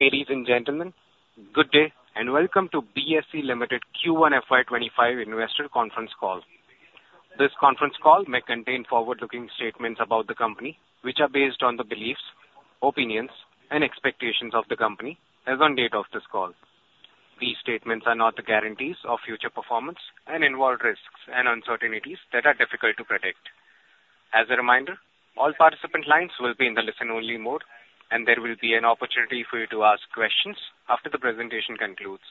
Ladies and gentlemen, good day and welcome to BSE Limited Q1 FY 2025 Investor Conference Call. This conference call may contain forward-looking statements about the company, which are based on the beliefs, opinions, and expectations of the company as of the date of this call. These statements are not the guarantees of future performance and involve risks and uncertainties that are difficult to predict. As a reminder, all participant lines will be in the listen-only mode, and there will be an opportunity for you to ask questions after the presentation concludes.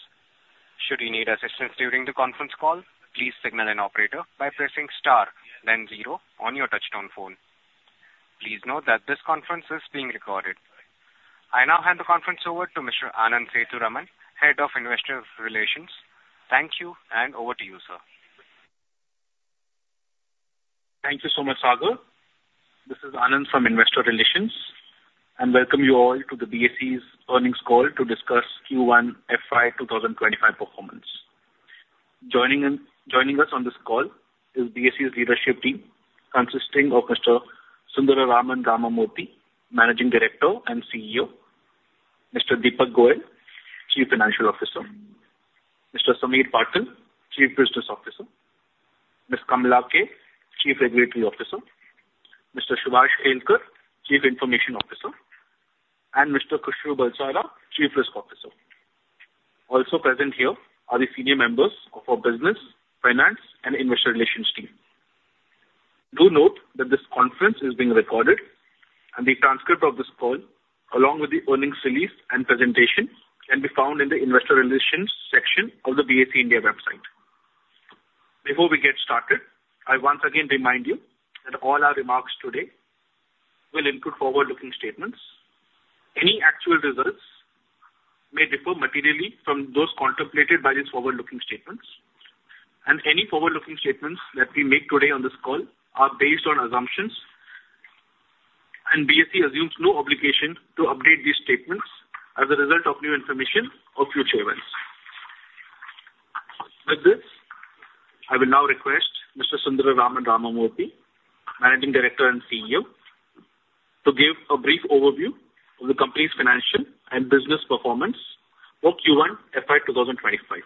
Should you need assistance during the conference call, please signal an operator by pressing star, then zero on your touch-tone phone. Please note that this conference is being recorded. I now hand the conference over to Mr. Anand Sethuraman, Head of Investor Relations. Thank you, and over to you, sir. Thank you so much, Sagar. This is Anand from Investor Relations, and welcome you all to the BSE's earnings call to discuss Q1 FY 2025 performance. Joining us on this call is BSE's leadership team, consisting of Mr. Sundararaman Ramamurthy, Managing Director and CEO, Mr. Deepak Goel, Chief Financial Officer, Mr. Sameer Patil, Chief Business Officer, Ms. Kamala K, Chief Regulatory Officer, Mr. Subhash Kelkar, Chief Information Officer, and Mr. Khushro Bulsara, Chief Risk Officer. Also present here are the senior members of our Business, Finance, and Investor Relations team. Do note that this conference is being recorded, and the transcript of this call, along with the earnings release and presentation, can be found in the Investor Relations section of the BSE India website. Before we get started, I once again remind you that all our remarks today will include forward-looking statements. Any actual results may differ materially from those contemplated by these forward-looking statements, and any forward-looking statements that we make today on this call are based on assumptions, and BSE assumes no obligation to update these statements as a result of new information or future events. With this, I will now request Mr. Sundararaman Ramamurthy, Managing Director and CEO, to give a brief overview of the company's financial and business performance for Q1 FY 2025.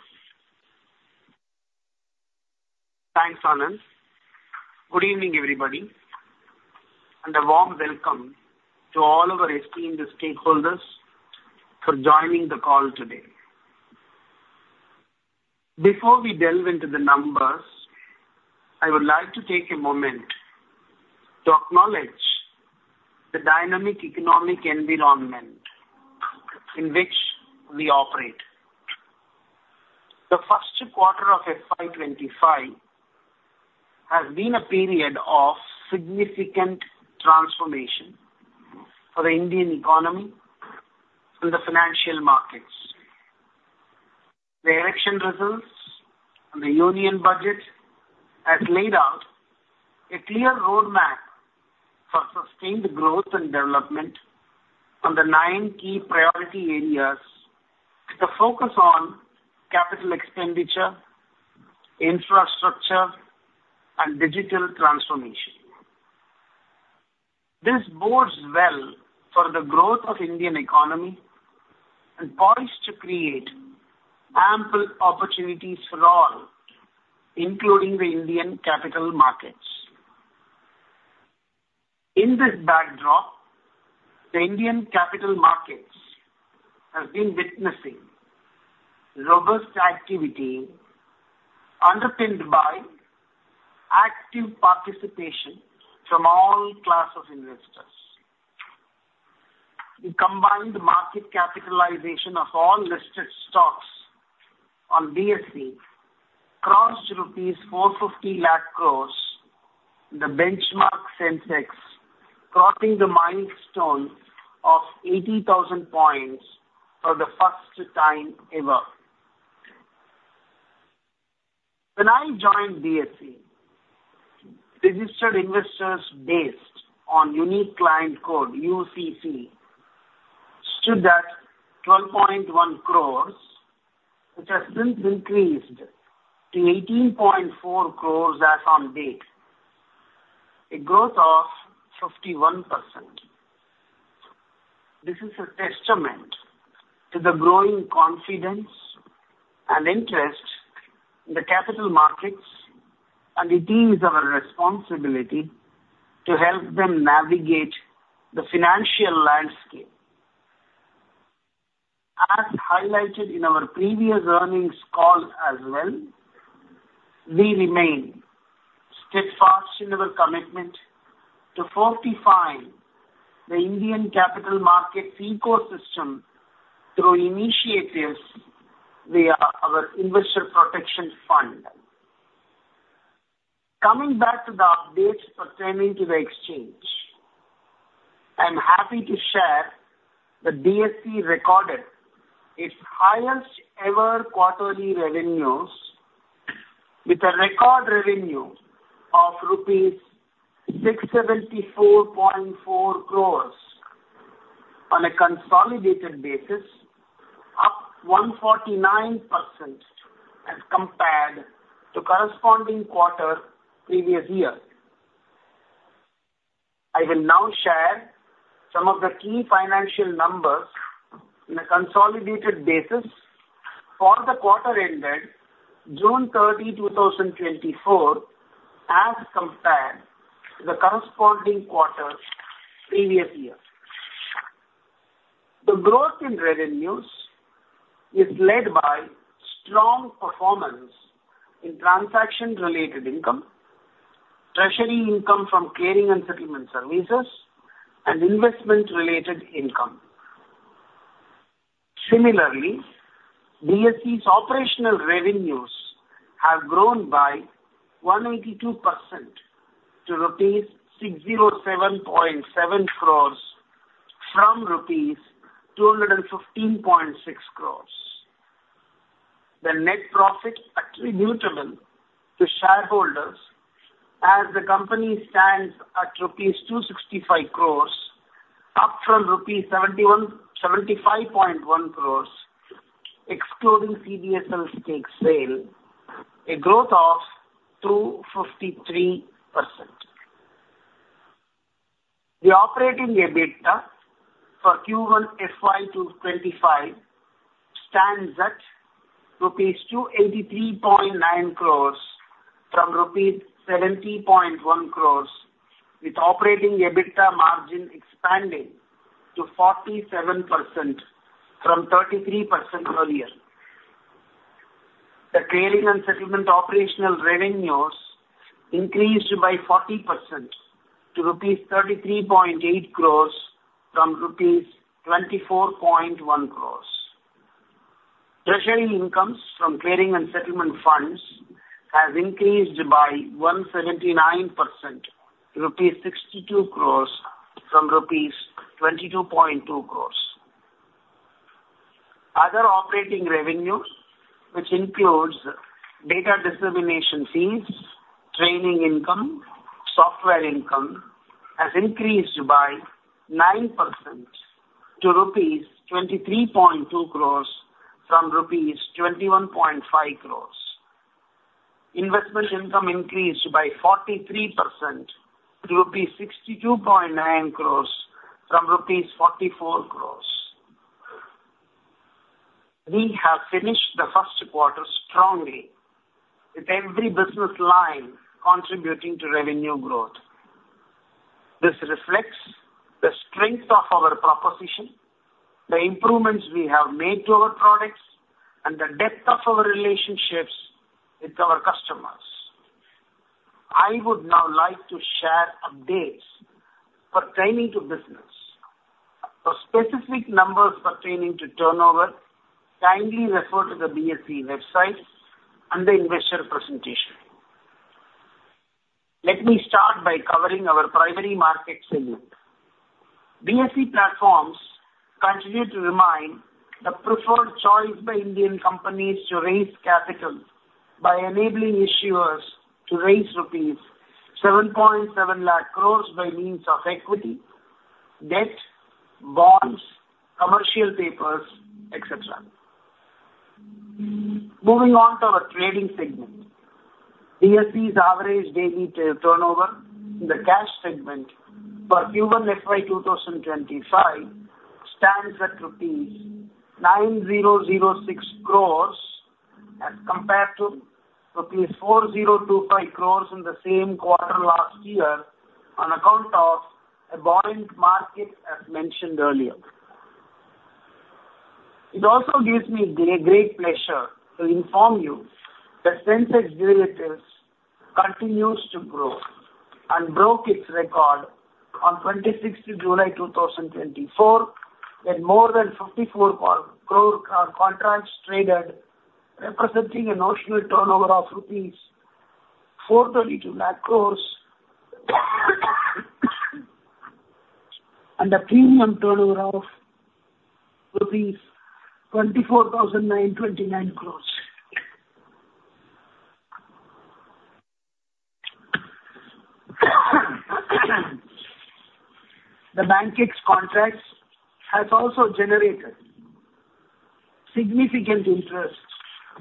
Thanks, Anand. Good evening, everybody, and a warm welcome to all of our esteemed stakeholders for joining the call today. Before we delve into the numbers, I would like to take a moment to acknowledge the dynamic economic environment in which we operate. The first quarter of FY 2025 has been a period of significant transformation for the Indian economy and the financial markets. The election results and the union budget have laid out a clear roadmap for sustained growth and development on the nine key priority areas, with a focus on capital expenditure, infrastructure, and digital transformation. This bodes well for the growth of the Indian economy and poised to create ample opportunities for all, including the Indian capital markets. In this backdrop, the Indian capital markets have been witnessing robust activity underpinned by active participation from all classes of investors. The combined market capitalization of all listed stocks on BSE crossed the INR 45,000,000 crore, the benchmark SENSEX, crossing the milestone of 80,000 points for the first time ever. When I joined BSE, registered investors based on Unique Client Code (UCC) stood at 12.1 crores, which has since increased to 18.4 crores as of date, a growth of 51%. This is a testament to the growing confidence and interest in the capital markets and it is our responsibility to help them navigate the financial landscape. As highlighted in our previous earnings call as well, we remain steadfast in our commitment to fortify the Indian capital markets ecosystem through initiatives via our Investor Protection Fund. Coming back to the updates pertaining to the exchange, I'm happy to share that BSE recorded its highest-ever quarterly revenues, with a record revenue of ₹674.4 crores on a consolidated basis, up 149% as compared to the corresponding quarter previous year. I will now share some of the key financial numbers on a consolidated basis for the quarter ended June 30, 2024, as compared to the corresponding quarter previous year. The growth in revenues is led by strong performance in transaction-related income, treasury income from clearing and settlement services, and investment-related income. Similarly, BSE's operational revenues have grown by 182% to rupees 607.7 crores from rupees 215.6 crores. The net profit attributable to shareholders as the company stands at rupees 265 crores, up from rupees 75.1 crores excluding CDSL stake sale, a growth of 253%. The operating EBITDA for Q1 FY 2025 stands at rupees 283.9 crores from rupees 70.1 crores, with operating EBITDA margin expanding to 47% from 33% earlier. The clearing and settlement operational revenues increased by 40% to rupees 33.8 crores from rupees 24.1 crores. Treasury incomes from clearing and settlement funds have increased by 179% to rupees 62 crores from rupees 22.2 crores. Other operating revenues, which include data dissemination fees, training income, and software income, have increased by 9% to rupees 23.2 crores from rupees 21.5 crores. Investment income increased by 43% to rupees 62.9 crores from rupees 44 crores. We have finished the first quarter strongly, with every business line contributing to revenue growth. This reflects the strength of our proposition, the improvements we have made to our products, and the depth of our relationships with our customers. I would now like to share updates pertaining to business. For specific numbers pertaining to turnover, kindly refer to the BSE website and the investor presentation. Let me start by covering our primary market segment. BSE platforms continue to remain the preferred choice by Indian companies to raise capital by enabling issuers to raise rupees 770,000 crore by means of equity, debt, bonds, commercial papers, etc. Moving on to our trading segment, BSE's average daily turnover in the cash segment for Q1 FY 2025 stands at rupees 9,006 crore as compared to rupees 4,025 crore in the same quarter last year on account of a boiling market, as mentioned earlier. It also gives me great pleasure to inform you that SENSEX derivatives continues to grow and broke its record on 26 July 2024 with more than 54 crore contracts traded, representing a notional turnover of rupees 43,200,000 crore and a premium turnover of rupees 24,929 crore. BANKEX's contracts have also generated significant interest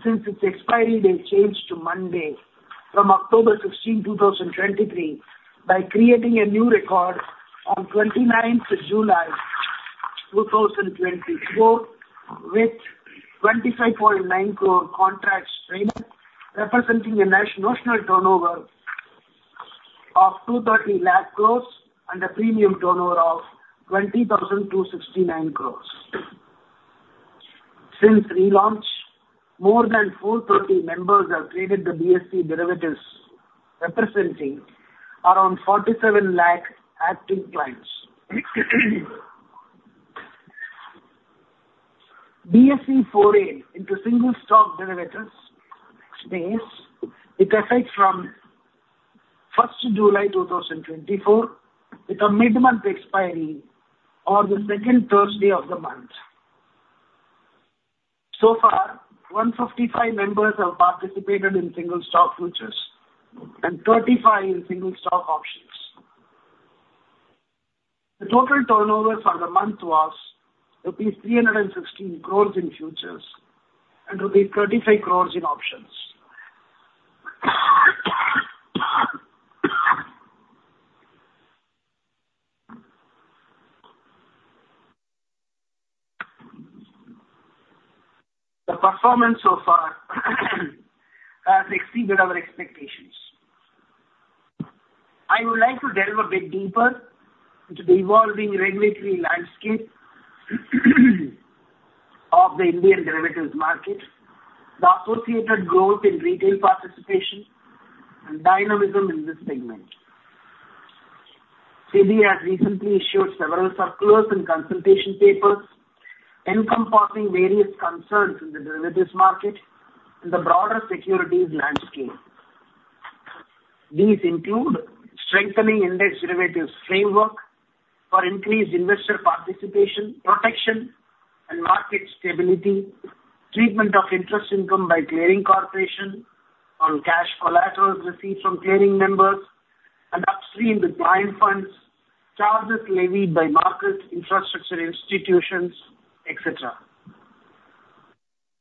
since its expiry date changed to Monday from October 16, 2023, by creating a new record on 29 July 2024 with 25.9 crore contracts traded, representing a notional turnover of 23,000,000 crore and a premium turnover of 20,269 crore. Since relaunch, more than 430 members have traded the BSE derivatives, representing around 47 lakh active clients. BSE forayed into single stock derivatives space with effect from 1 July 2024, with a mid-month expiry on the second Thursday of the month. So far, 155 members have participated in single stock futures and 35 in single stock options. The total turnover for the month was ₹316 crores in futures and ₹35 crores in options. The performance so far has exceeded our expectations. I would like to delve a bit deeper into the evolving regulatory landscape of the Indian derivatives market, the associated growth in retail participation, and dynamism in this segment. SEBI has recently issued several circulars and consultation papers encompassing various concerns in the derivatives market and the broader securities landscape. These include strengthening index derivatives framework for increased investor participation, protection and market stability, treatment of interest income by clearing corporation on cash collateral received from clearing members, and upstreaming with client funds, charges levied by market infrastructure institutions, etc.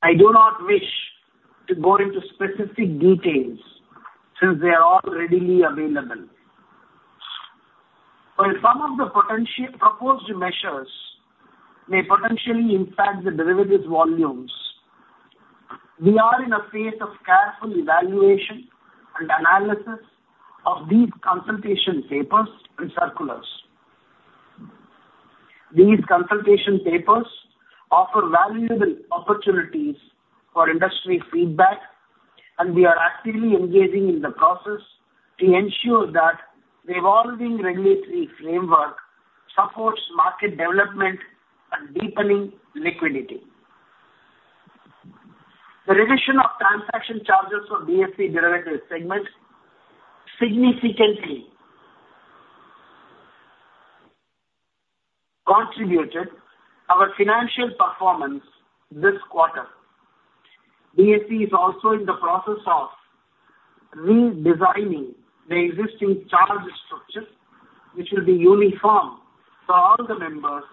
I do not wish to go into specific details since they are all readily available. While some of the proposed measures may potentially impact the derivatives volumes, we are in a phase of careful evaluation and analysis of these consultation papers and circulars. These consultation papers offer valuable opportunities for industry feedback, and we are actively engaging in the process to ensure that the evolving regulatory framework supports market development and deepening liquidity. The reduction of transaction charges for BSE derivatives segment significantly contributed to our financial performance this quarter. BSE is also in the process of redesigning the existing charge structure, which will be uniform for all the members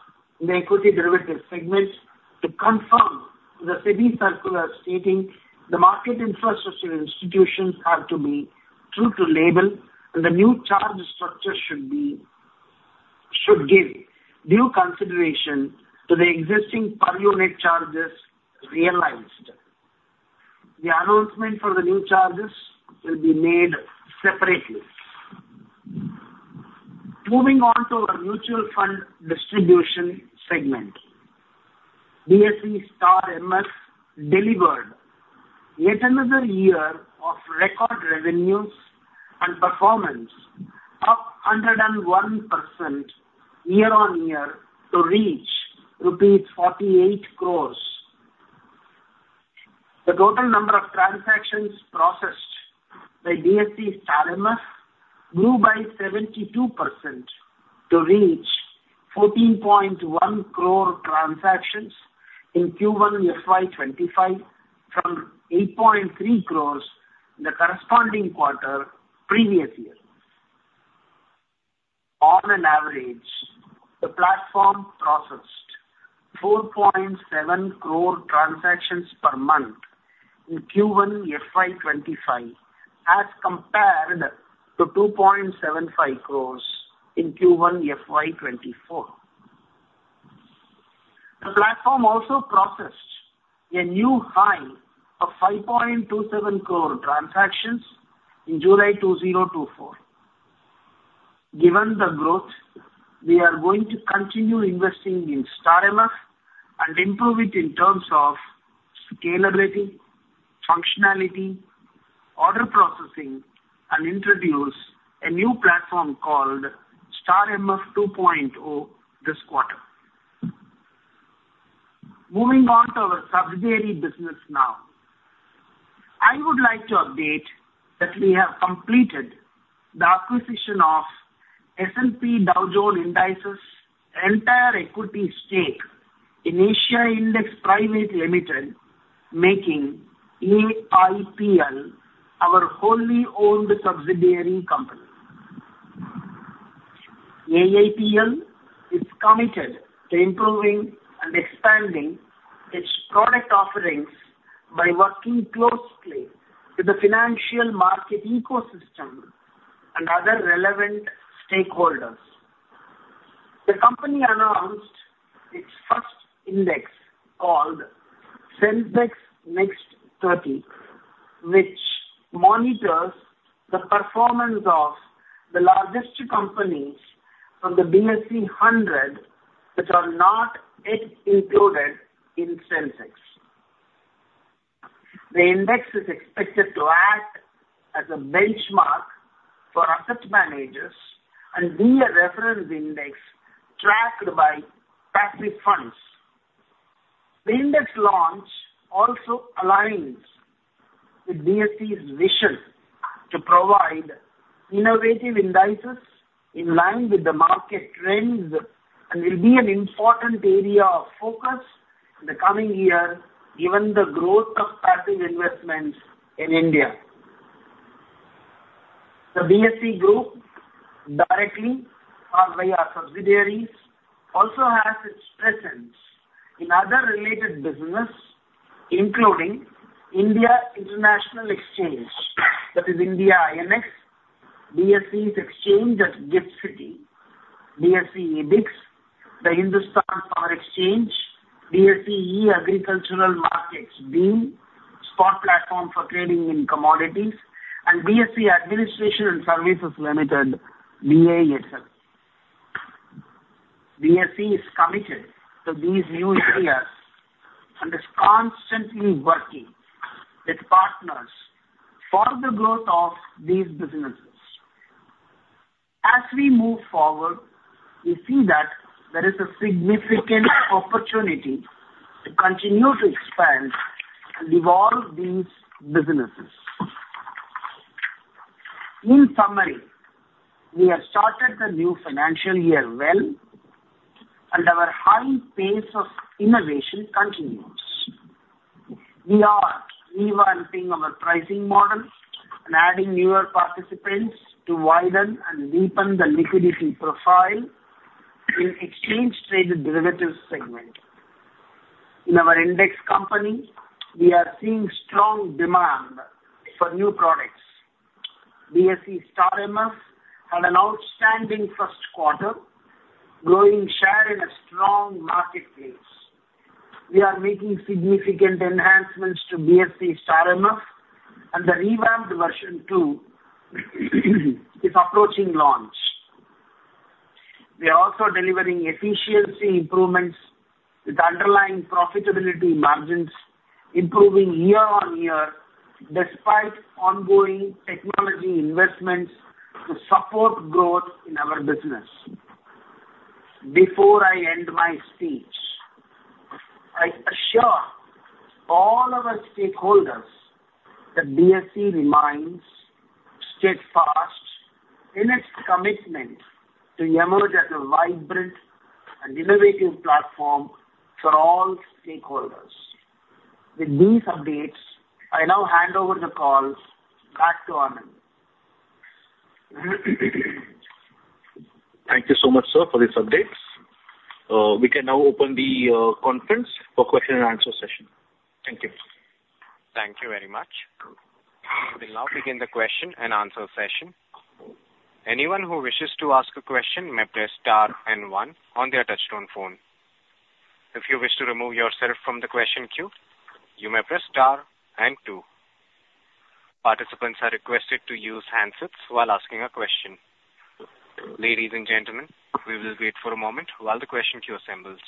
in the equity derivatives segment, to conform to the SEBI circular stating the Market Infrastructure Institutions have to be True to Label, and the new charge structure should give due consideration to the existing per-unit charges realized. The announcement for the new charges will be made separately. Moving on to our mutual fund distribution segment, BSE StAR MF delivered yet another year of record revenues and performance, up 101% year-over-year to reach rupees 48 crores. The total number of transactions processed by BSE StAR MF grew by 72% to reach 14.1 crore transactions in Q1 FY 2025 from 8.3 crores in the corresponding quarter previous year. On an average, the platform processed 4.7 crore transactions per month in Q1 FY 2025 as compared to 2.75 crores in Q1 FY 2024. The platform also processed a new high of 5.27 crore transactions in July 2024. Given the growth, we are going to continue investing in StAR MF and improve it in terms of scalability, functionality, order processing, and introduce a new platform called StAR MF 2.0 this quarter. Moving on to our subsidiary business now, I would like to update that we have completed the acquisition of S&P Dow Jones Indices' entire equity stake in Asia Index Private Limited, making AIPL our wholly owned subsidiary company. AIPL is committed to improving and expanding its product offerings by working closely with the financial market ecosystem and other relevant stakeholders. The company announced its first index called SENSEX Next 30, which monitors the performance of the largest companies from the BSE 100 that are not yet included in SENSEX. The index is expected to act as a benchmark for asset managers and be a reference index tracked by passive funds. The index launch also aligns with BSE's vision to provide innovative indices in line with the market trends and will be an important area of focus in the coming year given the growth of passive investments in India. The BSE Group, directly by our subsidiaries, also has its presence in other related businesses, including India International Exchange, that is India INX, BSE's exchange at GIFT City, BSE Ebix, the Hindustan Power Exchange, BSE Agricultural Markets BEAM, spot platform for trading in commodities, and BSE Administration and Services Limited, BASL. BSE is committed to these new areas and is constantly working with partners for the growth of these businesses. As we move forward, we see that there is a significant opportunity to continue to expand and evolve these businesses. In summary, we have started the new financial year well, and our high pace of innovation continues. We are revamping our pricing model and adding newer participants to widen and deepen the liquidity profile in exchange-traded derivatives segment. In our index company, we are seeing strong demand for new products. BSE StAR MF had an outstanding first quarter, growing share in a strong marketplace. We are making significant enhancements to BSE StAR MF, and the revamped BSE StAR MF 2.0 is approaching launch. We are also delivering efficiency improvements with underlying profitability margins improving year-on-year despite ongoing technology investments to support growth in our business. Before I end my speech, I assure all of our stakeholders that BSE remains steadfast in its commitment to emerge as a vibrant and innovative platform for all stakeholders. With these updates, I now hand over the call back to Anand. Thank you so much, sir, for these updates. We can now open the conference for question and answer session. Thank you. Thank you very much. We will now begin the question and answer session. Anyone who wishes to ask a question may press Star and One on their touchtone phone. If you wish to remove yourself from the question queue, you may press Star and Two. Participants are requested to use handsets while asking a question. Ladies and gentlemen, we will wait for a moment while the question queue assembles.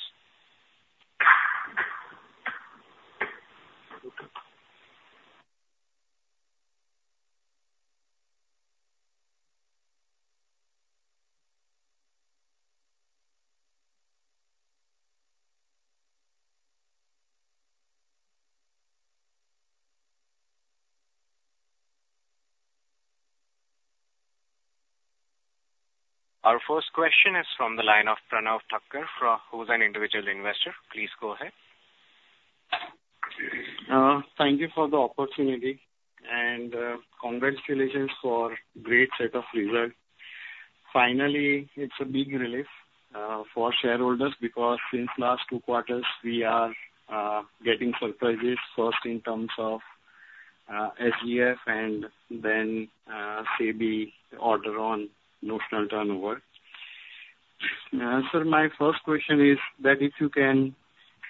Our first question is from the line of Pranav Thakkar, who is an individual investor. Please go ahead. Thank you for the opportunity and congratulations for a great set of results. Finally, it's a big relief for shareholders because since last 2 quarters, we are getting surprises, first in terms of SGF and then CB order on notional turnover. Sir, my first question is that if you can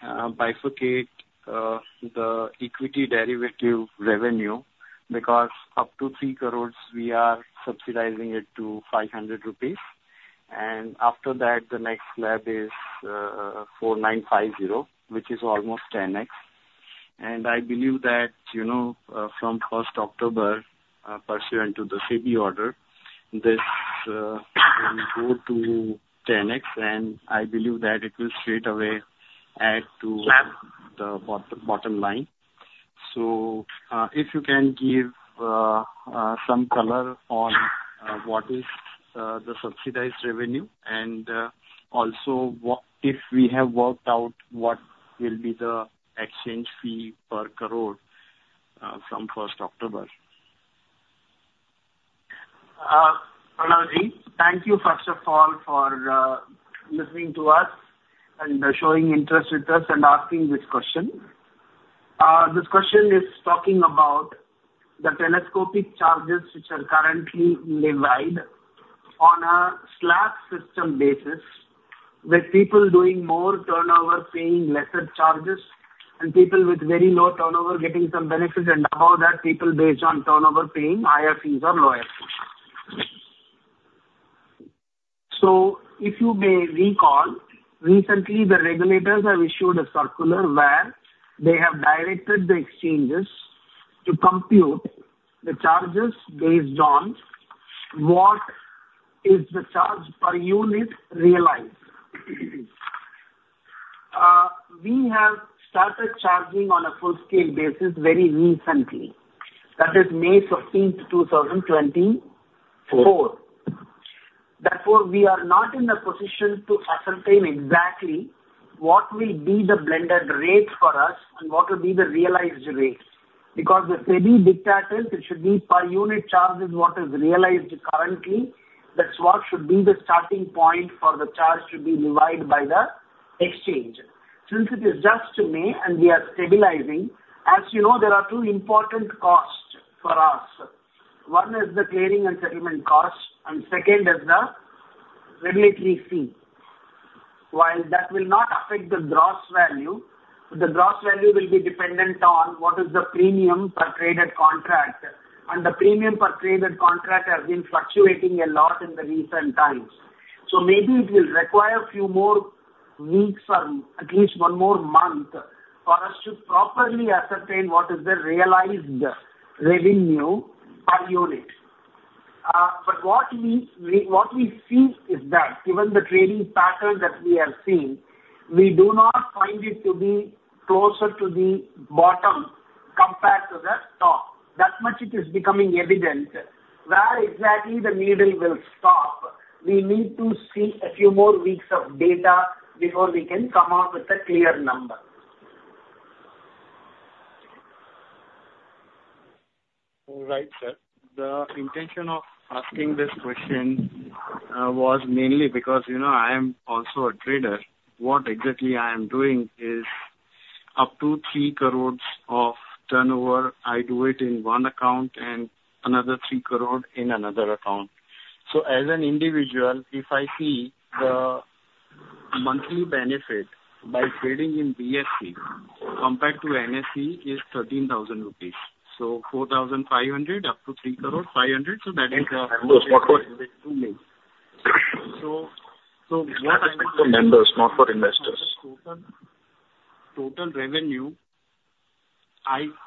bifurcate the equity derivative revenue because up to 3 crores, we are subsidizing it to ₹500, and after that, the next slab is 4,950, which is almost 10x. And I believe that from first October pursuant to the CB order, this will go to 10x, and I believe that it will straight away add to the bottom line. So if you can give some color on what is the subsidized revenue and also if we have worked out what will be the exchange fee per crore from first October. Pranavji, thank you first of all for listening to us and showing interest with us and asking this question. This question is talking about the telescopic charges which are currently levied on a slab system basis with people doing more turnover, paying lesser charges, and people with very low turnover getting some benefits, and above that, people based on turnover paying higher fees or lower fees. So if you may recall, recently the regulators have issued a circular where they have directed the exchanges to compute the charges based on what is the charge per unit realized. We have started charging on a full-scale basis very recently, that is May 15th, 2024. Therefore, we are not in a position to ascertain exactly what will be the blended rate for us and what will be the realized rate because the CB dictates it should be per unit charges what is realized currently. That's what should be the starting point for the charge to be levied by the exchange. Since it is just May and we are stabilizing, as you know, there are two important costs for us. One is the clearing and settlement cost, and second is the regulatory fee. While that will not affect the gross value, the gross value will be dependent on what is the premium per traded contract, and the premium per traded contract has been fluctuating a lot in the recent times. So maybe it will require a few more weeks or at least one more month for us to properly ascertain what is the realized revenue per unit. But what we see is that given the trading pattern that we have seen, we do not find it to be closer to the bottom compared to the top. That much it is becoming evident. Where exactly the needle will stop, we need to see a few more weeks of data before we can come up with a clear number. Right, sir. The intention of asking this question was mainly because I am also a trader. What exactly I am doing is up to 3 crores of turnover. I do it in one account and another 3 crore in another account. So as an individual, if I see the monthly benefit by trading in BSE compared to NSE is ₹13,000. So ₹4,500 up to 3 crore, ₹500, so that is a small change. So what I need to know. Not for members, not for investors. Total revenue,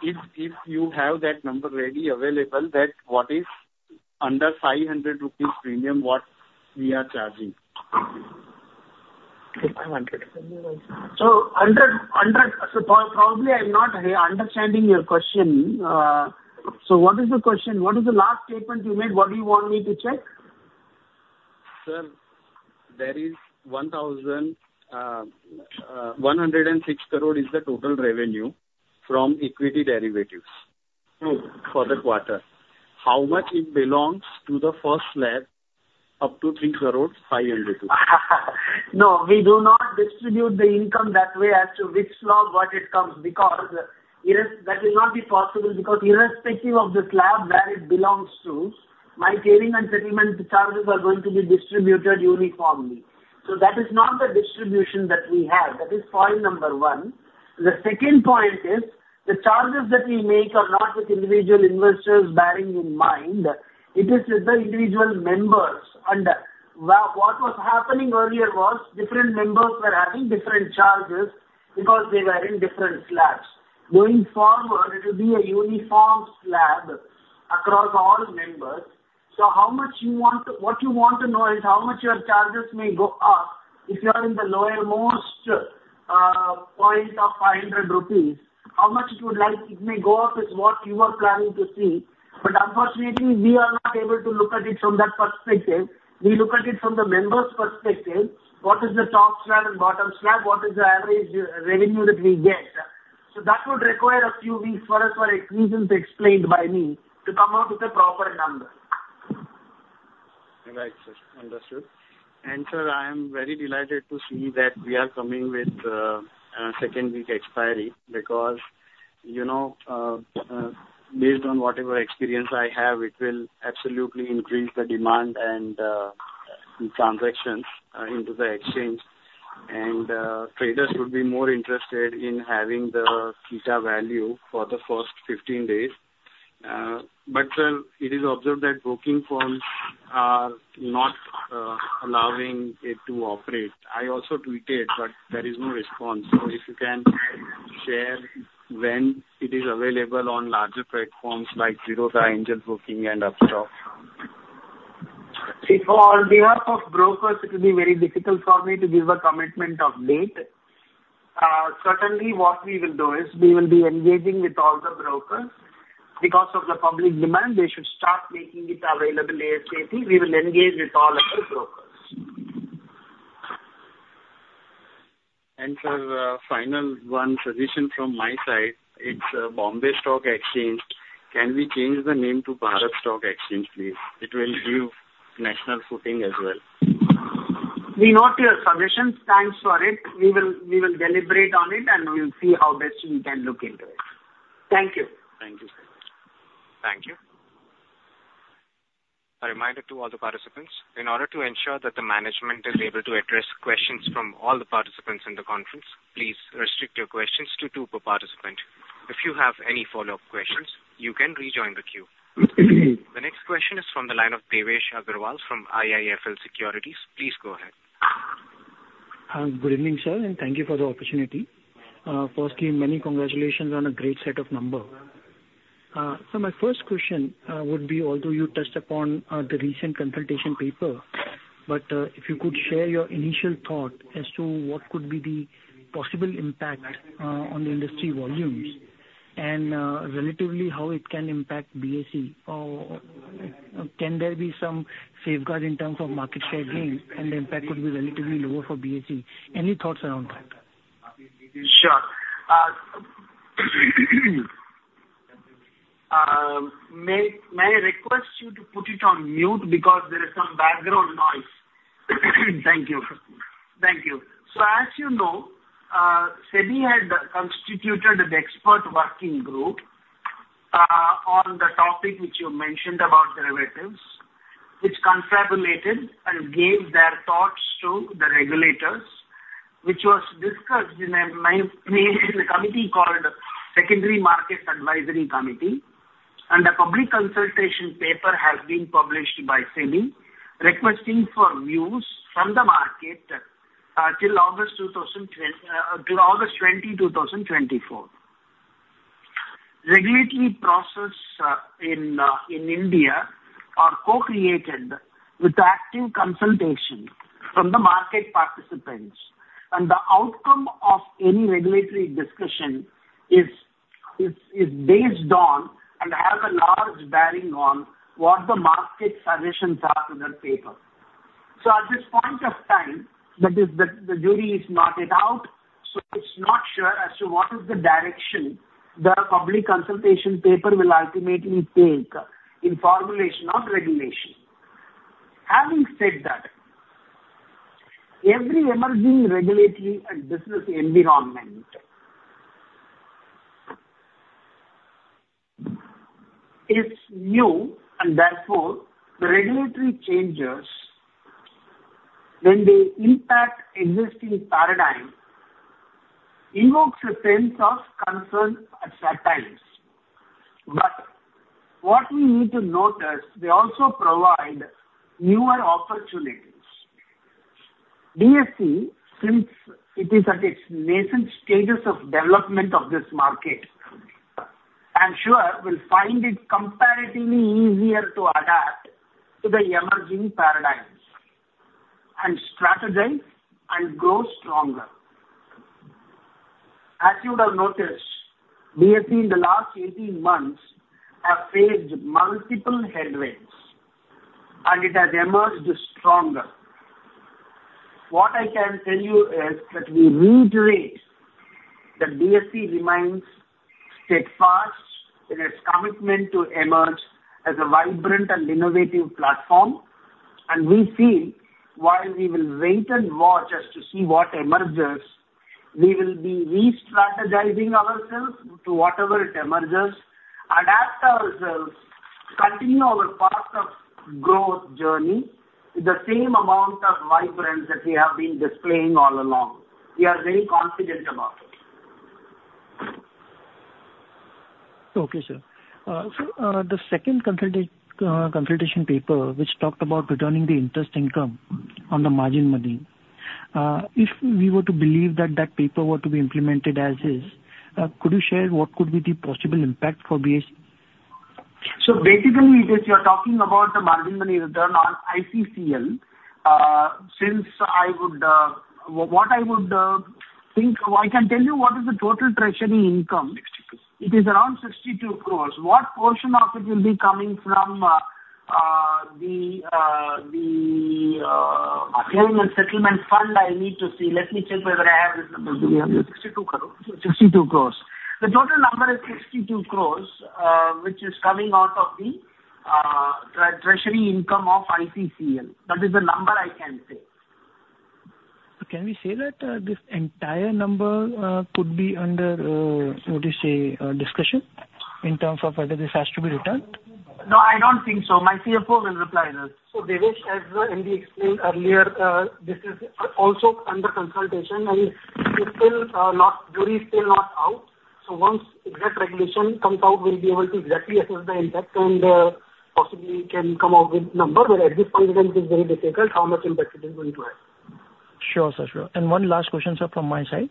if you have that number ready available, that's what is under 500 rupees premium what we are charging. ₹500. Probably I'm not understanding your question. What is the question? What is the last statement you made? What do you want me to check? Sir, there is 106 crore is the total revenue from equity derivatives for the quarter. How much it belongs to the first slab up to 3,500 rupees? No, we do not distribute the income that way as to which slot what it comes because that will not be possible because irrespective of the slab where it belongs to, my clearing and settlement charges are going to be distributed uniformly. So that is not the distribution that we have. That is point number one. The second point is the charges that we make are not with individual investors bearing in mind. It is with the individual members. And what was happening earlier was different members were having different charges because they were in different slab. Going forward, it will be a uniform slab across all members. So how much you want to what you want to know is how much your charges may go up. If you are in the lowermost point of 500 rupees, how much it would like it may go up is what you are planning to see. But unfortunately, we are not able to look at it from that perspective. We look at it from the members' perspective. What is the top slab and bottom slab? What is the average revenue that we get? So that would require a few weeks for us for reasons explained by me to come up with a proper number. Right, sir. Understood. And sir, I am very delighted to see that we are coming with second week expiry because based on whatever experience I have, it will absolutely increase the demand and transactions into the exchange. And traders would be more interested in having the theta value for the first 15 days. But sir, it is observed that broking firms are not allowing it to operate. I also tweeted, but there is no response. So if you can share when it is available on larger platforms like Zerodha, Angel Broking, and Upstox? On behalf of brokers, it will be very difficult for me to give a commitment of date. Certainly, what we will do is we will be engaging with all the brokers. Because of the public demand, they should start making it available ASAP. We will engage with all of the brokers. Sir, final one suggestion from my side. It's Bombay Stock Exchange. Can we change the name to Bharat Stock Exchange, please? It will give national footing as well. We note your suggestions. Thanks for it. We will deliberate on it, and we'll see how best we can look into it. Thank you. Thank you. Thank you. A reminder to all the participants. In order to ensure that the management is able to address questions from all the participants in the conference, please restrict your questions to two per participant. If you have any follow-up questions, you can rejoin the queue. The next question is from the line of Devesh Agarwal from IIFL Securities. Please go ahead. Good evening, sir, and thank you for the opportunity. Firstly, many congratulations on a great set of numbers. My first question would be, although you touched upon the recent consultation paper, but if you could share your initial thought as to what could be the possible impact on the industry volumes and relatively how it can impact BSE, can there be some safeguard in terms of market share gain, and the impact could be relatively lower for BSE? Any thoughts around that? Sure. May I request you to put it on mute because there is some background noise? Thank you. Thank you. So as you know, SEBI had constituted an expert working group on the topic which you mentioned about derivatives, which deliberated and gave their thoughts to the regulators, which was discussed in a committee called Secondary Markets Advisory Committee. And a public consultation paper has been published by SEBI requesting for views from the market till August 2024. Regulatory process in India are co-created with active consultation from the market participants. And the outcome of any regulatory discussion is based on and has a large bearing on what the market suggestions are to the paper. So at this point of time, that is, the jury is not yet out, so it's not sure as to what is the direction the public consultation paper will ultimately take in formulation of regulation. Having said that, every emerging regulatory and business environment is new, and therefore the regulatory changes, when they impact existing paradigm, invokes a sense of concern at times. But what we need to notice, they also provide newer opportunities. BSE, since it is at its nascent stages of development of this market, I'm sure will find it comparatively easier to adapt to the emerging paradigms and strategize and grow stronger. As you would have noticed, BSE in the last 18 months has faced multiple headwinds, and it has emerged stronger. What I can tell you is that we reiterate that BSE remains steadfast in its commitment to emerge as a vibrant and innovative platform. We feel, while we will wait and watch as to see what emerges, we will be restrategizing ourselves to whatever it emerges, adapt ourselves, continue our path of growth journey with the same amount of vibrance that we have been displaying all along. We are very confident about it. Okay, sir. So the second consultation paper, which talked about returning the interest income on the margin money, if we were to believe that that paper were to be implemented as is, could you share what could be the possible impact for BSE? So basically, if you're talking about the margin money return on ICCL, since I would what I would think I can tell you what is the total treasury income. It is around 62 crore. What portion of it will be coming from the clearing and settlement fund? I need to see. Let me check whether I have this number. Do we have this? 62 crore. The total number is 62 crore, which is coming out of the treasury income of ICCL. That is the number I can say. Can we say that this entire number could be under, what do you say, discussion in terms of whether this has to be returned? No, I don't think so. My CFO will reply to this. So Devesh, as Anand explained earlier, this is also under consultation, and the jury is still not out. So once that regulation comes out, we'll be able to exactly assess the impact and possibly can come up with a number. But at this point in time, it is very difficult how much impact it is going to have. Sure, sir. One last question, sir, from my side.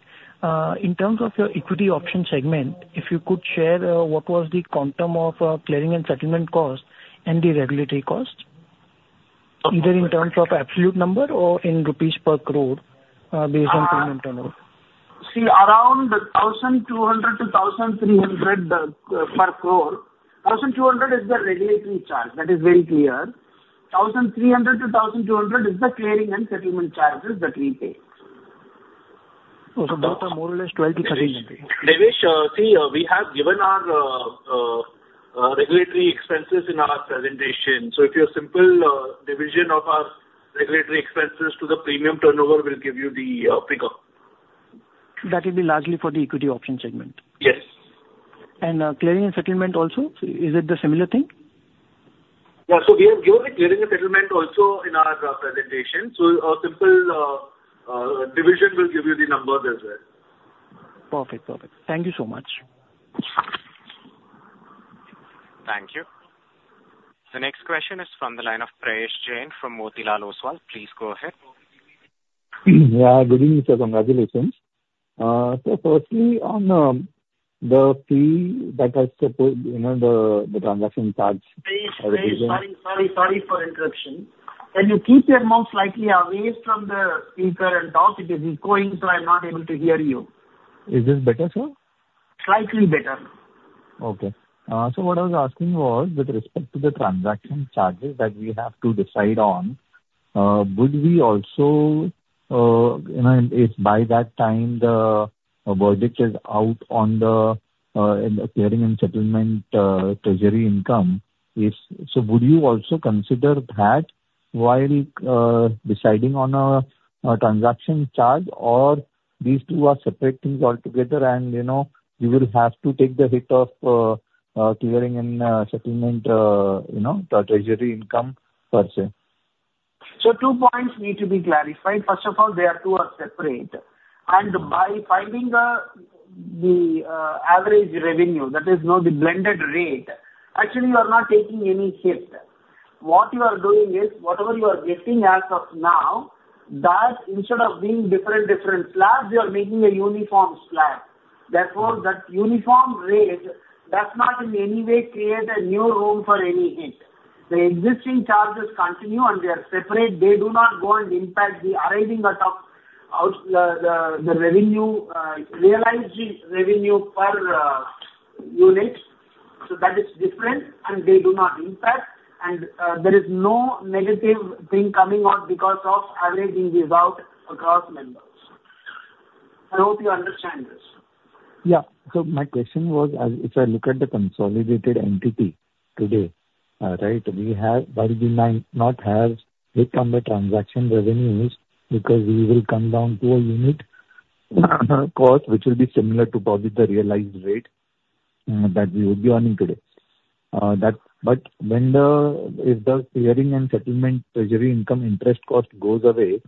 In terms of your equity option segment, if you could share what was the quantum of clearing and settlement cost and the regulatory cost, either in terms of absolute number or in rupees per crore based on premium turnover? See, around INR 1,200-INR 1,300 per crore. 1,200 is the regulatory charge. That is very clear. 1,300-1,200 is the clearing and settlement charges that we pay. Those are more or less 12-13. Devesh, see, we have given our regulatory expenses in our presentation. So, if you simple division of our regulatory expenses to the premium turnover, we'll give you the figure. That will be largely for the equity option segment? Yes. Clearing and settlement also, is it the similar thing? Yeah. We have given the clearing and settlement also in our presentation. A simple division will give you the numbers as well. Perfect. Perfect. Thank you so much. Thank you. The next question is from the line of Prayesh Jain from Motilal Oswal. Please go ahead. Yeah. Good evening, sir. Congratulations. So firstly, on the fee that has supported the transaction charge. Sorry, sorry, sorry for interruption. Can you keep your mouth slightly away from the speaker and talk? It is echoing, so I'm not able to hear you. Is this better, sir? Slightly better. Okay. So what I was asking was with respect to the transaction charges that we have to decide on, would we also, if by that time the budget is out on the clearing and settlement treasury income, so would you also consider that while deciding on a transaction charge, or these two are separate things altogether, and you will have to take the hit of clearing and settlement treasury income per se? Two points need to be clarified. First of all, they are two separate. By finding the average revenue, that is, the blended rate, actually, you are not taking any hit. What you are doing is whatever you are getting as of now, that instead of being different, different slabs, you are making a uniform slabs. Therefore, that uniform rate, that's not in any way create a new room for any hit. The existing charges continue, and they are separate. They do not go and impact the arriving out of the revenue, realized revenue per unit. That is different, and they do not impact. There is no negative thing coming out because of averaging these out across members. I hope you understand this. Yeah. So my question was, if I look at the consolidated entity today, right, we have not had hit on the transaction revenues because we will come down to a unit cost, which will be similar to probably the realized rate that we will be earning today. But when the clearing and settlement treasury income interest cost goes away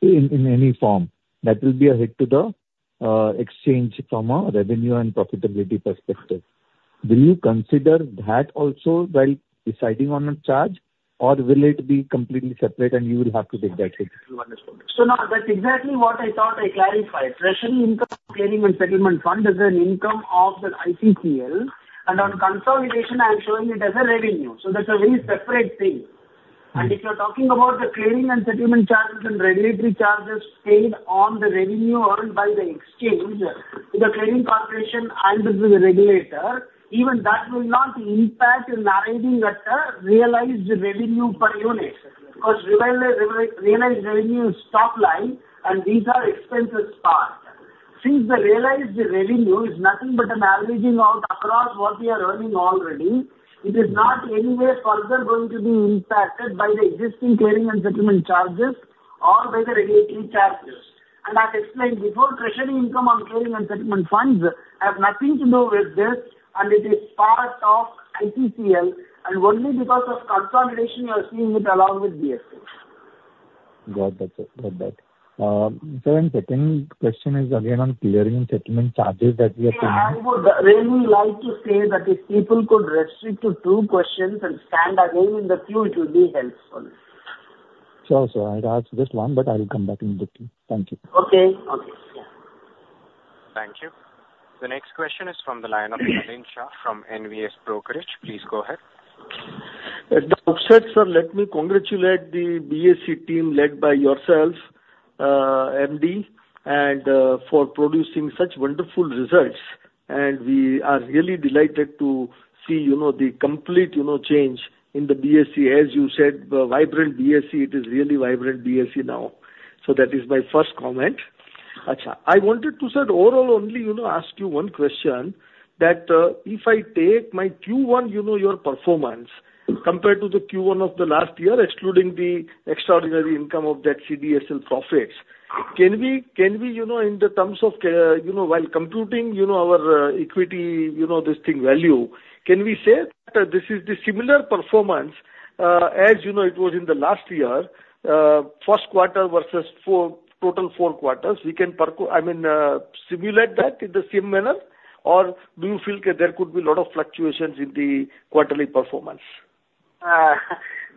in any form, that will be a hit to the exchange from a revenue and profitability perspective. Do you consider that also while deciding on a charge, or will it be completely separate, and you will have to take that hit? So no, that's exactly what I thought I clarified. Treasury income clearing and settlement fund is an income of the ICCL. On consolidation, I'm showing it as a revenue. So that's a very separate thing. And if you're talking about the clearing and settlement charges and regulatory charges paid on the revenue earned by the exchange to the clearing corporation and the regulator, even that will not impact arriving at a realized revenue per unit because realized revenue is top line, and these are expenses part. Since the realized revenue is nothing but an averaging out across what we are earning already, it is not in any way further going to be impacted by the existing clearing and settlement charges or by the regulatory charges. As explained before, treasury income on clearing and settlement funds have nothing to do with this, and it is part of ICCL. Only because of consolidation, you are seeing it along with BSE. Got that. So then second question is again on clearing and settlement charges that we are paying. I would really like to say that if people could restrict to two questions and stand again in the queue, it will be helpful. Sure, sir. I'd ask this one, but I'll come back in the queue. Thank you. Okay. Okay. Yeah. Thank you. The next question is from the line of Nalin Shah from NVS Brokerage. Please go ahead. Mr. Ramamurthy, sir, let me congratulate the BSE team led by yourself, MD, and for producing such wonderful results. We are really delighted to see the complete change in the BSE. As you said, vibrant BSE. It is really vibrant BSE now. That is my first comment. Sir, I wanted to, sir, overall only ask you one question that if I take my Q1, your performance compared to the Q1 of the last year, excluding the extraordinary income of that CDSL profits, can we, in the terms of while computing our equity, this thing value, can we say that this is the similar performance as it was in the last year, first quarter versus total four quarters? We can, I mean, simulate that in the same manner, or do you feel that there could be a lot of fluctuations in the quarterly performance?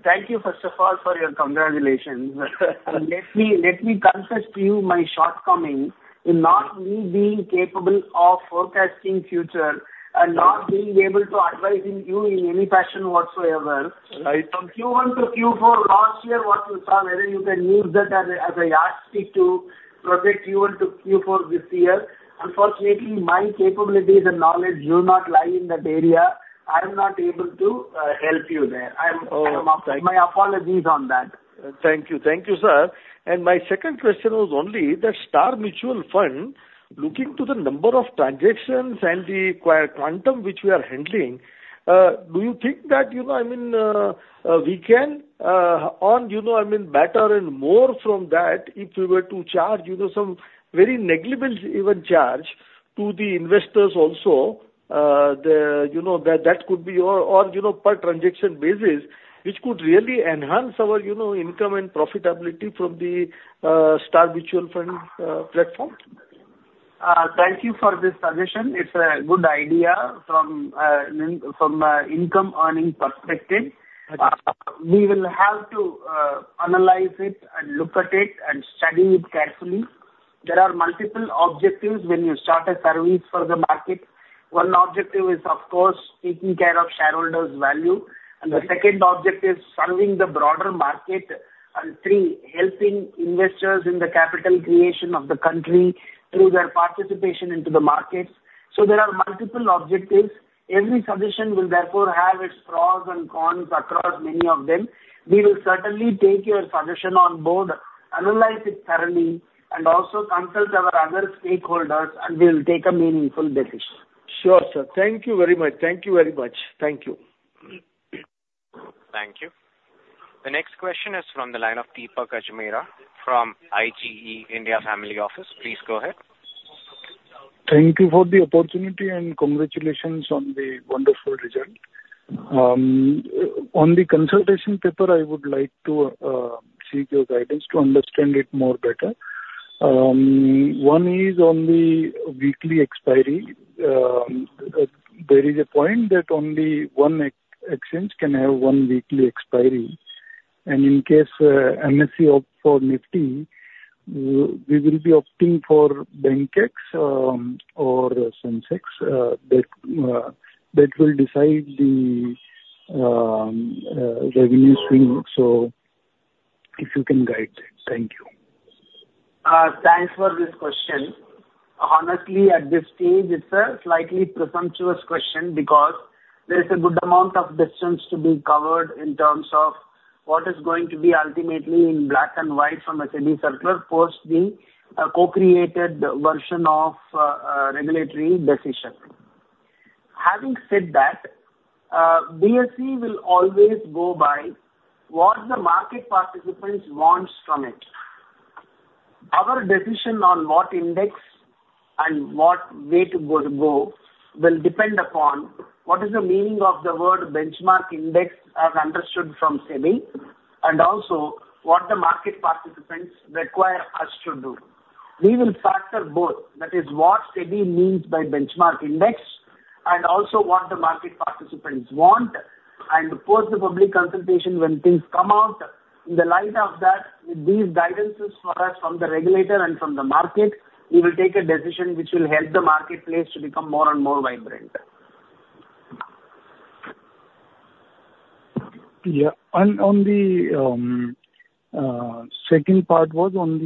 Thank you, first of all, for your congratulations. Let me confess to you my shortcoming in not me being capable of forecasting future and not being able to advise you in any fashion whatsoever. From Q1 to Q4 last year, what you saw, whether you can use that as a yardstick to project Q1 to Q4 this year, unfortunately, my capabilities and knowledge do not lie in that area. I'm not able to help you there. My apologies on that. Thank you. Thank you, sir. My second question was only that StAR MF, looking to the number of transactions and the quantum which we are handling, do you think that, I mean, we can earn, I mean, better and more from that if we were to charge some very negligible even charge to the investors also, that could be your or per transaction basis, which could really enhance our income and profitability from the StAR MF platform? Thank you for this suggestion. It's a good idea from an income earning perspective. We will have to analyze it and look at it and study it carefully. There are multiple objectives when you start a service for the market. One objective is, of course, taking care of shareholders' value. The second objective is serving the broader market. Three, helping investors in the capital creation of the country through their participation into the markets. There are multiple objectives. Every suggestion will therefore have its pros and cons across many of them. We will certainly take your suggestion on board, analyze it thoroughly, and also consult our other stakeholders, and we will take a meaningful decision. Sure, sir. Thank you very much. Thank you very much. Thank you. Thank you. The next question is from the line of Deepak Ajmera from IGE India Family Office. Please go ahead. Thank you for the opportunity and congratulations on the wonderful result. On the consultation paper, I would like to seek your guidance to understand it more better. One is on the weekly expiry. There is a point that only one exchange can have one weekly expiry. In case NSE opt for Nifty, we will be opting for BANKEX or SENSEX that will decide the revenue swing. So if you can guide that. Thank you. Thanks for this question. Honestly, at this stage, it's a slightly presumptuous question because there's a good amount of distance to be covered in terms of what is going to be ultimately in black and white from a SEBI circular post the co-created version of regulatory decision. Having said that, BSE will always go by what the market participants want from it. Our decision on what index and what way to go will depend upon what is the meaning of the word benchmark index as understood from SEBI, and also what the market participants require us to do. We will factor both, that is, what SEBI means by benchmark index and also what the market participants want. Post the public consultation, when things come out in the light of that, with these guidances for us from the regulator and from the market, we will take a decision which will help the marketplace to become more and more vibrant. Yeah. And on the second part was on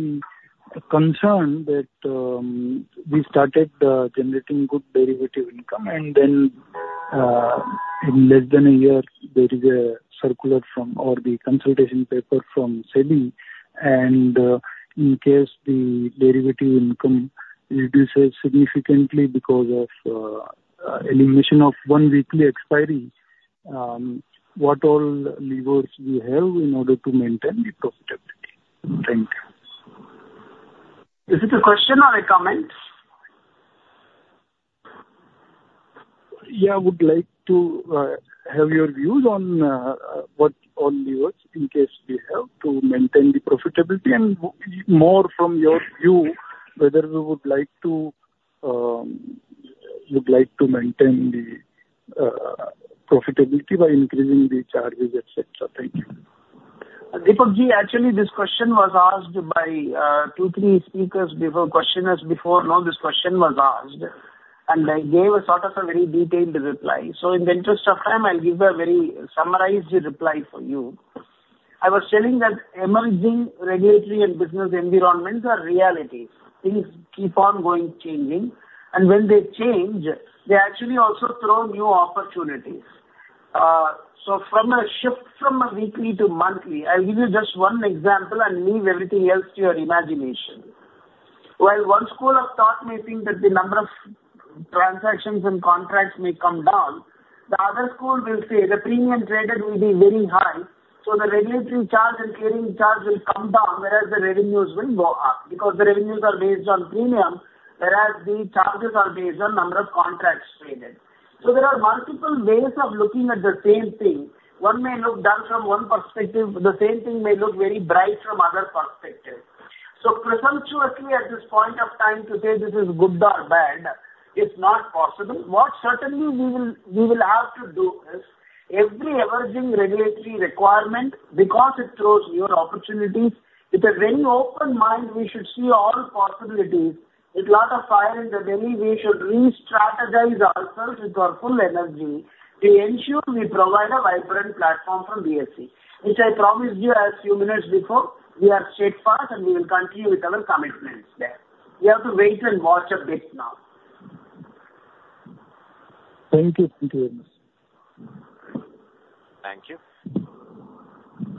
the concern that we started generating good derivative income, and then in less than a year, there is a circular from or the consultation paper from SEBI. And in case the derivative income reduces significantly because of elimination of one weekly expiry, what all levers do you have in order to maintain the profitability? Thank you. Is it a question or a comment? Yeah. I would like to have your views on what all levers in case we have to maintain the profitability and more from your view, whether we would like to maintain the profitability by increasing the charges, etc. Thank you. Deepak Ji, actually, this question was asked by two, three speakers before questioners before this question was asked. I gave a sort of a very detailed reply. So in the interest of time, I'll give a very summarized reply for you. I was telling that emerging regulatory and business environments are realities. Things keep on going changing. When they change, they actually also throw new opportunities. So from a shift from a weekly to monthly, I'll give you just one example and leave everything else to your imagination. While one school of thought may think that the number of transactions and contracts may come down, the other school will say the premium traded will be very high. So the regulatory charge and clearing charge will come down, whereas the revenues will go up because the revenues are based on premium, whereas the charges are based on number of contracts traded. So there are multiple ways of looking at the same thing. One may look dim from one perspective. The same thing may look very bright from other perspectives. So presumptuously, at this point of time to say this is good or bad, it's not possible. What certainly we will have to do is embrace every emerging regulatory requirement because it throws new opportunities. With a very open mind, we should see all possibilities. With a lot of fire in the belly, we should restrategize ourselves with our full energy to ensure we provide a vibrant platform for BSE, which I promised you a few minutes before. We are steadfast, and we will continue with our commitments there. We have to wait and watch a bit now. Thank you. Thank you very much. Thank you.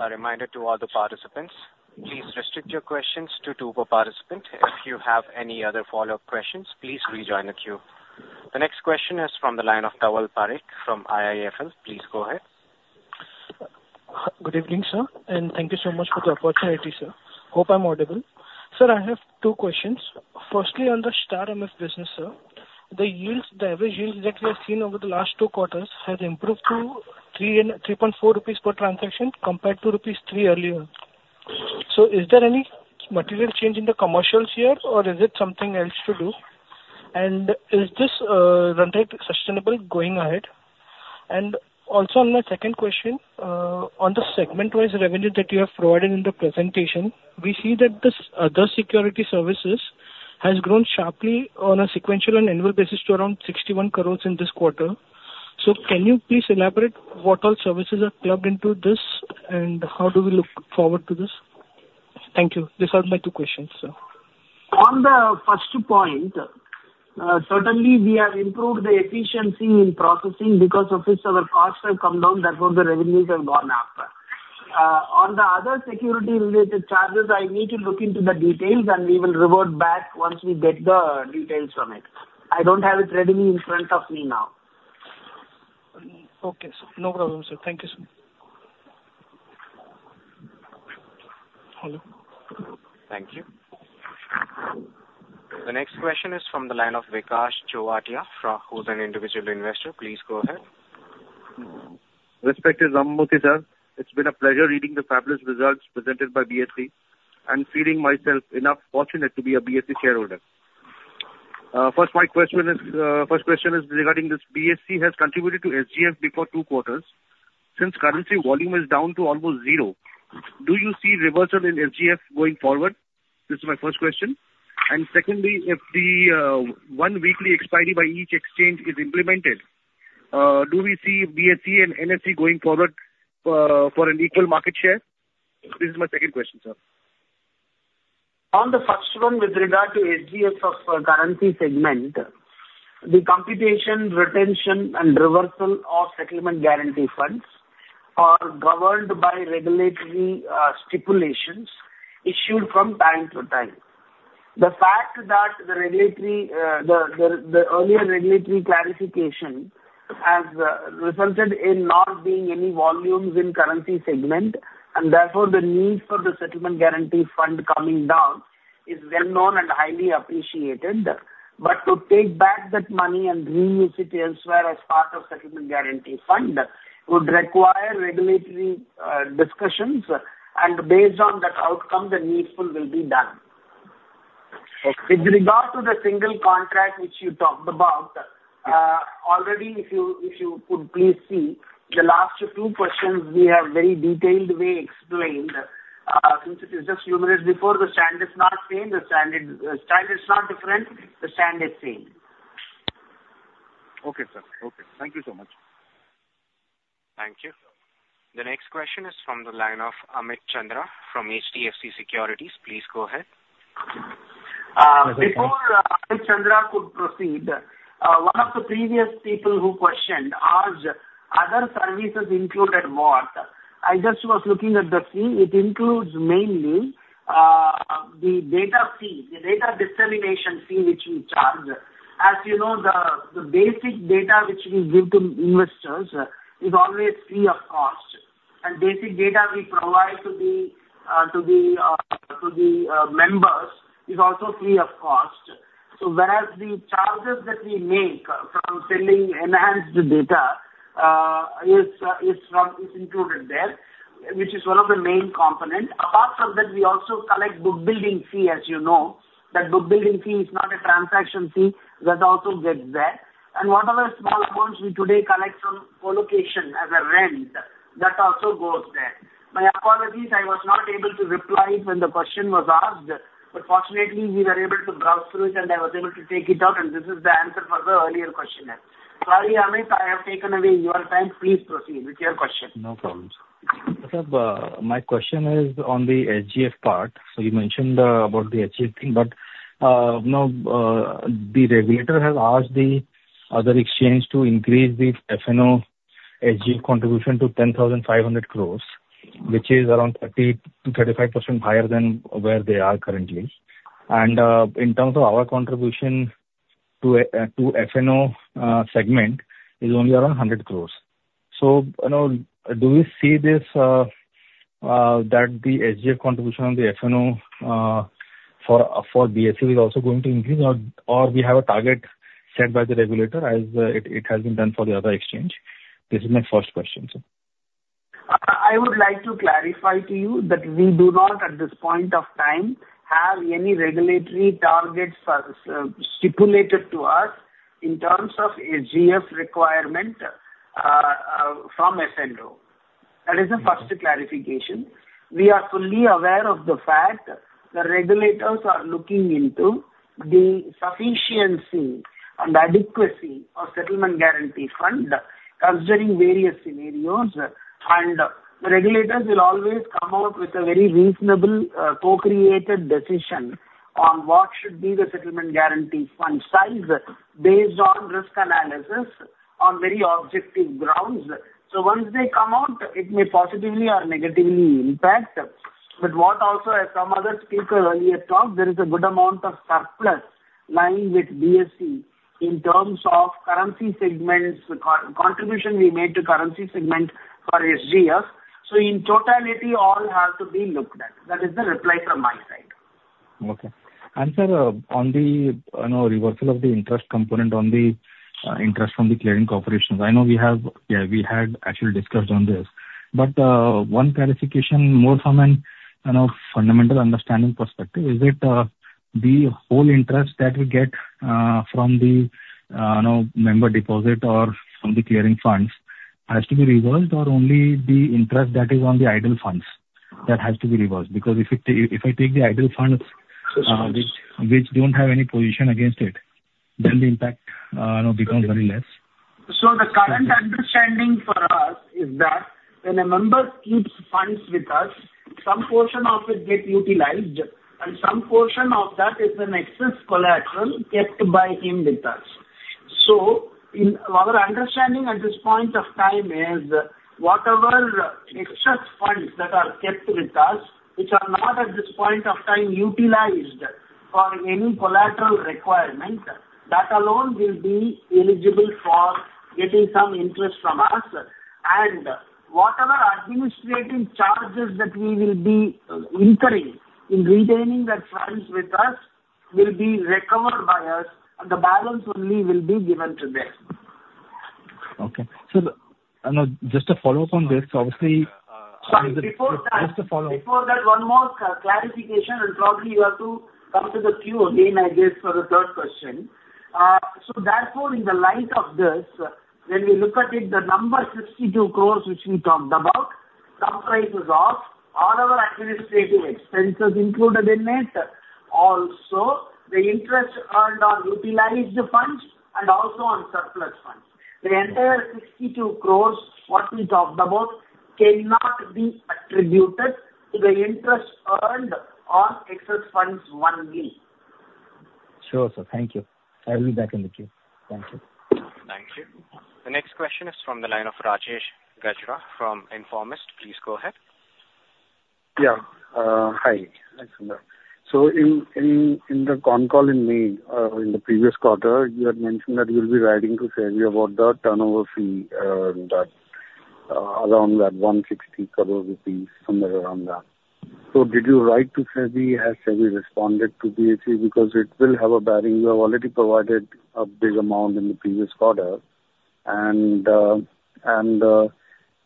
A reminder to all the participants, please restrict your questions to two per participant. If you have any other follow-up questions, please rejoin the queue. The next question is from the line of Dhaval Parekh from IIFL. Please go ahead. Good evening, sir. Thank you so much for the opportunity, sir. Hope I'm audible. Sir, I have two questions. Firstly, on the StAR MF business, sir, the average yield that we have seen over the last two quarters has improved to 3.4 rupees per transaction compared to rupees 3 earlier. So is there any material change in the commercials here, or is it something else to do? And is this run rate sustainable going ahead? And also on my second question, on the segment-wise revenue that you have provided in the presentation, we see that the other securities services has grown sharply on a sequential and annual basis to around 61 crore in this quarter. So can you please elaborate what all services are plugged into this, and how do we look forward to this? Thank you. These are my two questions, sir. On the first point, certainly, we have improved the efficiency in processing because of this, our costs have come down. Therefore, the revenues have gone up. On the other security-related charges, I need to look into the details, and we will revert back once we get the details from it. I don't have it readily in front of me now. Okay. No problem, sir. Thank you, sir. Hello. Thank you. The next question is from the line of Vikas Jajodia, who is an individual investor. Please go ahead. Respected Ramamurthy, it's been a pleasure reading the fabulous results presented by BSE and feeling myself enough fortunate to be a BSE shareholder. First, my question is regarding this BSE has contributed to SGF before two quarters. Since currency volume is down to almost zero, do you see reversal in SGF going forward? This is my first question. And secondly, if the one weekly expiry by each exchange is implemented, do we see BSE and NSE going forward for an equal market share? This is my second question, sir. On the first one, with regard to SGF of currency segment, the computation, retention, and reversal of settlement guarantee funds are governed by regulatory stipulations issued from time to time. The fact that the earlier regulatory clarification has resulted in not being any volumes in currency segment, and therefore the need for the settlement guarantee fund coming down is well known and highly appreciated. But to take back that money and reuse it elsewhere as part of settlement guarantee fund would require regulatory discussions. And based on that outcome, the needful will be done. With regard to the single contract, which you talked about, already, if you could please see the last two questions, we have very detailed way explained. Since it is just few minutes before, the stand is not same. The stand is not different. The stand is same. Okay, sir. Okay. Thank you so much. Thank you. The next question is from the line of Amit Chandra from HDFC Securities. Please go ahead. Before Amit Chandra could proceed, one of the previous people who questioned asked other services included what. I just was looking at the fee. It includes mainly the data fee, the data dissemination fee which we charge. As you know, the basic data which we give to investors is always free of cost. Basic data we provide to the members is also free of cost. So whereas the charges that we make from selling enhanced data is included there, which is one of the main components. Apart from that, we also collect bookbuilding fee, as you know, that bookbuilding fee is not a transaction fee. That also gets there. And what other small amounts we today collect from colocation as a rent, that also goes there. My apologies, I was not able to reply when the question was asked, but fortunately, we were able to browse through it, and I was able to take it out, and this is the answer for the earlier questionnaire. Sorry, Amit, I have taken away your time. Please proceed with your question. No problem, sir. My question is on the SGF part. So you mentioned about the SGF thing, but now the regulator has asked the other exchange to increase the F&O SGF contribution to 10,500 crore, which is around 30%-35% higher than where they are currently. And in terms of our contribution to F&O segment, it's only around 100 crore. So do we see this that the SGF contribution on the F&O for BSE is also going to increase, or we have a target set by the regulator as it has been done for the other exchange? This is my first question, sir. I would like to clarify to you that we do not, at this point of time, have any regulatory targets stipulated to us in terms of SGF requirement from F&O. That is the first clarification. We are fully aware of the fact the regulators are looking into the sufficiency and adequacy of settlement guarantee fund, considering various scenarios. The regulators will always come out with a very reasonable co-created decision on what should be the settlement guarantee fund size based on risk analysis on very objective grounds. Once they come out, it may positively or negatively impact. What also some other speaker earlier talked, there is a good amount of surplus lying with BSE in terms of contribution we made to currency segment for SGF. In totality, all have to be looked at. That is the reply from my side. Okay. And sir, on the reversal of the interest component, on the interest from the clearing corporations, I know we have actually discussed on this. But one clarification more from a fundamental understanding perspective, is it the whole interest that we get from the member deposit or from the clearing funds has to be reversed, or only the interest that is on the idle funds that has to be reversed? Because if I take the idle funds, which don't have any position against it, then the impact becomes very less. So the current understanding for us is that when a member keeps funds with us, some portion of it gets utilized, and some portion of that is an excess collateral kept by him with us. So our understanding at this point of time is whatever excess funds that are kept with us, which are not at this point of time utilized for any collateral requirement, that alone will be eligible for getting some interest from us. And whatever administrative charges that we will be incurring in retaining that funds with us will be recovered by us, and the balance only will be given to them. Okay. Sir, just a follow-up on this. Obviously. Sorry, before that. Just a follow-up. Before that, one more clarification, and probably you have to come to the queue again, I guess, for the third question. So therefore, in the light of this, when we look at it, the number 62 crore, which we talked about, some price is off; all our administrative expenses included in it, also the interest earned on utilized funds and also on surplus funds. The entire 62 crore, what we talked about, cannot be attributed to the interest earned on excess funds only. Sure, sir. Thank you. I will be back in the queue. Thank you. Thank you. The next question is from the line of Rajesh Gajra from Informist. Please go ahead. Yeah. Hi. So in the con call in May, in the previous quarter, you had mentioned that you'll be writing to SEBI about the turnover fee around that 160 crore rupees, somewhere around that. So did you write to SEBI? Has SEBI responded to BSE? Because it will have a bearing. You have already provided a big amount in the previous quarter. And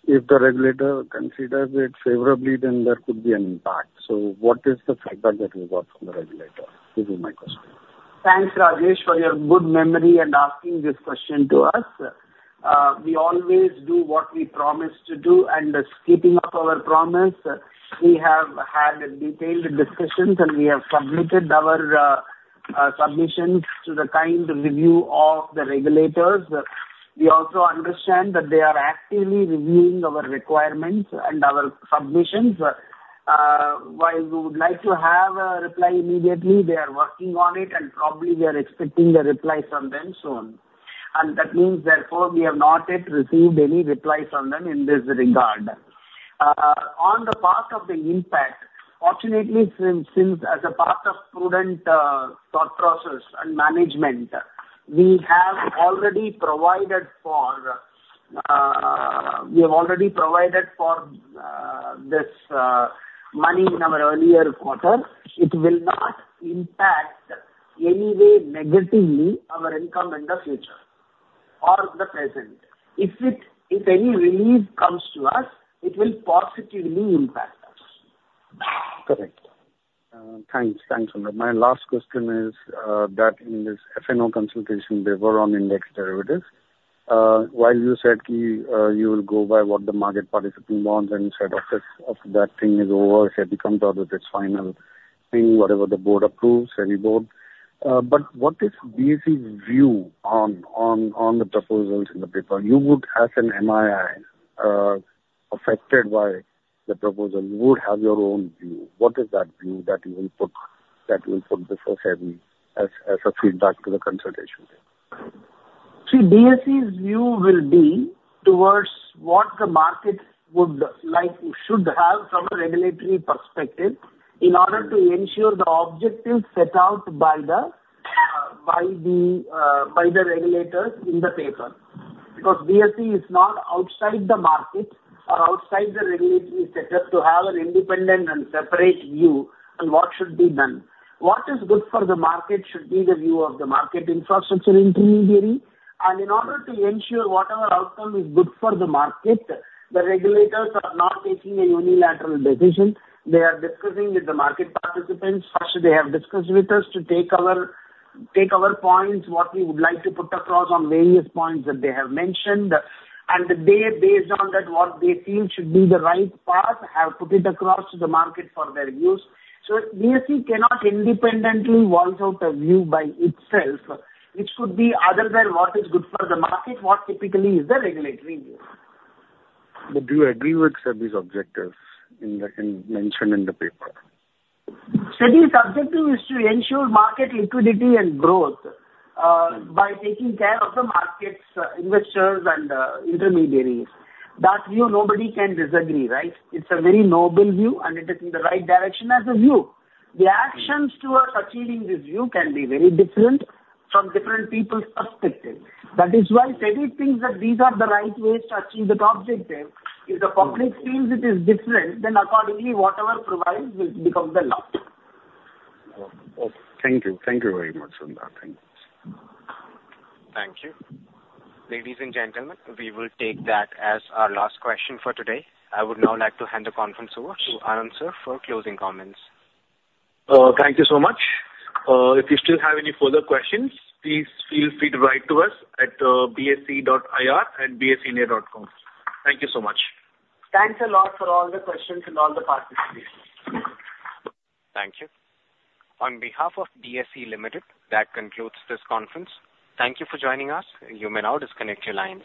if the regulator considers it favorably, then there could be an impact. So what is the feedback that you got from the regulator? This is my question. Thanks, Rajesh, for your good memory and asking this question to us. We always do what we promise to do, and keeping up our promise. We have had detailed discussions, and we have submitted our submissions to the kind review of the regulators. We also understand that they are actively reviewing our requirements and our submissions. While we would like to have a reply immediately, they are working on it, and probably we are expecting the reply from them soon. And that means, therefore, we have not yet received any reply from them in this regard. On the part of the impact, fortunately, as a part of prudent thought process and management, we have already provided for this money in our earlier quarter. It will not impact in any way negatively our income in the future or the present. If any relief comes to us, it will positively impact us. Correct. Thanks. Thanks, sir. My last question is that in this F&O consultation, they were on index derivatives. While you said you will go by what the market participant wants, and you said that thing is over, SEBI comes out with its final thing, whatever the board approves, SEBI board. But what is BSE's view on the proposals in the paper? You would, as an MII affected by the proposal, you would have your own view. What is that view that you will put before SEBI as a feedback to the consultation? See, BSE's view will be towards what the market should have from a regulatory perspective in order to ensure the objective set out by the regulators in the paper. Because BSE is not outside the market or outside the regulatory setup to have an independent and separate view on what should be done. What is good for the market should be the view of the market infrastructure intermediary. In order to ensure whatever outcome is good for the market, the regulators are not making a unilateral decision. They are discussing with the market participants, such as they have discussed with us, to take our points, what we would like to put across on various points that they have mentioned. They, based on that, what they feel should be the right path, have put it across to the market for their use. BSE cannot independently voice out a view by itself, which could be other than what is good for the market, what typically is the regulatory view. But do you agree with SEBI's objectives mentioned in the paper? SEBI's objective is to ensure market liquidity and growth by taking care of the markets, investors, and intermediaries. That view, nobody can disagree, right? It's a very noble view, and it is in the right direction as a view. The actions towards achieving this view can be very different from different people's perspective. That is why SEBI thinks that these are the right ways to achieve that objective. If the public feels it is different, then accordingly, whatever provides will become the law. Okay. Thank you. Thank you very much for that. Thank you. Thank you. Ladies and gentlemen, we will take that as our last question for today. I would now like to hand the conference over to Anand sir for closing comments. Thank you so much. If you still have any further questions, please feel free to write to us at bse.ir@bseindia.com. Thank you so much. Thanks a lot for all the questions and all the participation. Thank you. On behalf of BSE Limited, that concludes this conference. Thank you for joining us. You may now disconnect your lines.